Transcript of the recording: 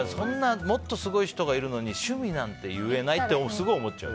もっとすごい人がいるのに趣味なんて言えないってすごい思っちゃう。